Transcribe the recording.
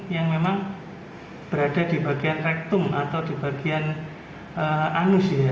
yang memang berada di bagian rektum atau di bagian anus ya